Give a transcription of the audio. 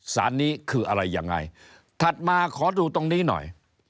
สารนี้คืออะไรยังไงถัดมาขอดูตรงนี้หน่อย